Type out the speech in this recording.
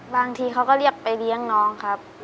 บางทีเขาก็เรียกไปเลี้ยงน้องครับ